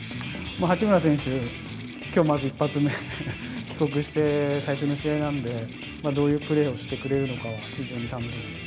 八村選手、きょうまず１発目、帰国して最初の試合なんで、どういうプレーをしてくれるのかは、非常に楽しみです。